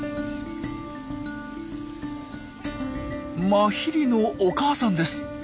マヒリのお母さんです。